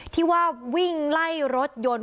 ที่ว่าวิ่งไล่รถยนต์